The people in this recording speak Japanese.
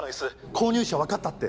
購入者分かったって。